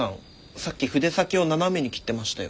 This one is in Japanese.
さっき筆先を斜めに切ってましたよ。